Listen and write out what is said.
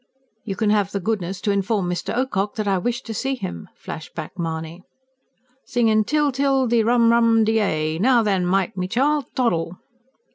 "You can have the goodness to inform Mr. Ocock that I wish to see him!" flashed back Mahony. "Singin' til ril i tum tum dee ay! Now then, Mike, me child, toddle!"